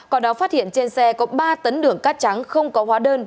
còn đó phát hiện trên xe có ba tấn đường cát trắng không có hóa đơn